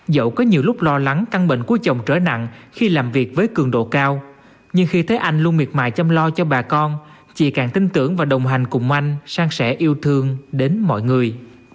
dậu có nhiều lúc lo lắng căn bệnh của chồng trở nặng khi làm việc với cường độ cao nhưng khi thấy anh luôn miệt mài chăm lo cho bà con chị càng tin tưởng và đồng hành cùng anh sang sẻ yêu thương đến mọi người